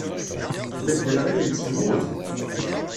Medden ɣilen-tt temmut.